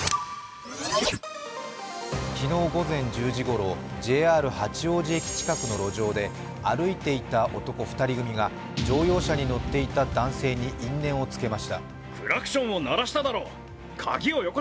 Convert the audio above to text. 昨日午前１０時ごろ、ＪＲ八王子駅近くの路上で、歩いていた男２人組が乗用車の乗っていた男性に因縁をつけました。